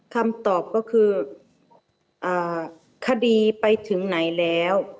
คำตอบก็คือคดีไปถึงไหนแล้ว